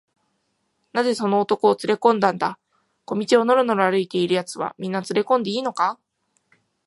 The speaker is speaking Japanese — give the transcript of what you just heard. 「なぜその男をつれこんだんだ？小路をのろのろ歩いているやつは、みんなつれこんでいいのか？」